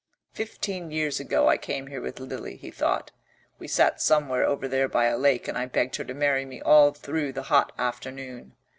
"Fifteen years ago I came here with Lily," he thought. "We sat somewhere over there by a lake and I begged her to marry me all through the hot afternoon.